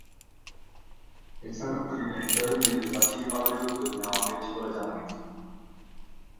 এ ছাড়া পারিবারিকভাবে মৃত্যুবার্ষিকী পালনের উদ্যোগ নেওয়া হয়েছে বলে জানা গেছে।